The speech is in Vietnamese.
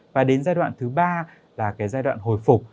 và đến giai đoạn thứ ba là cái giai đoạn hồi phục